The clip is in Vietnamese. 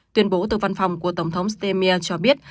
tuyên bố từ văn phòng của tổng thống stemir cho biết